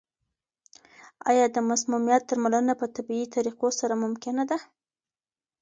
آیا د مسمومیت درملنه په طبیعي طریقو سره ممکنه ده؟